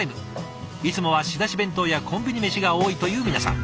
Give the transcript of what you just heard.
いつもは仕出し弁当やコンビニメシが多いという皆さん。